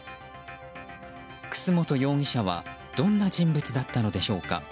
楠本容疑者はどんな人物だったのでしょうか。